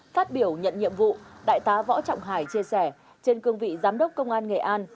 phát biểu nhận nhiệm vụ đại tá võ trọng hải chia sẻ trên cương vị giám đốc công an nghệ an